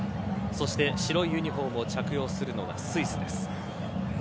白いユニホームを着用するのがスイスです。